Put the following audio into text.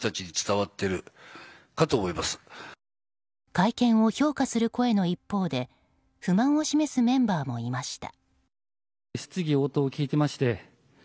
会見を評価する声の一方で不満を示すメンバーもいました。